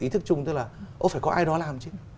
ý thức chung tức là ông phải có ai đó làm chứ